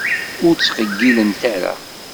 Ur ttqeyyilent ara.